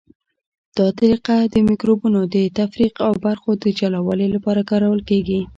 دا طریقه د مکروبونو د تفریق او برخو د جلاوالي لپاره کارول کیږي.